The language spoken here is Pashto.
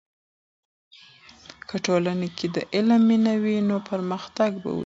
که ټولنې کې د علم مینه وي، نو پرمختګ به وسي.